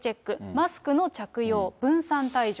マスクの着用、分散退場。